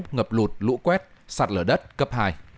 ngập lụt lũ quét sạt lở đất cấp hai